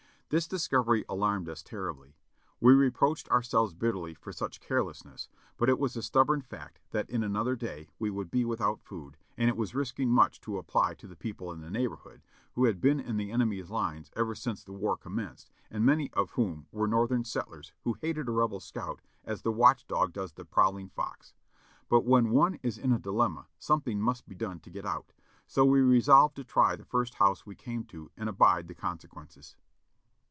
This dis covery alarmed us terribly. We reproached ourselves bitterly for such carelessness, but it was a stubborn fact that in another day we would be without food, and it was risking much to apply to the people in the neighborhood, who had been in the enemy's lines ever since the war commenced, and many of whom were Northern settlers who hated a Rebel scout as the watch dog does the prowling fox: but when one is in a dilemma something must be done to get out, so we resolved to try the first house we came to and abide the consequences.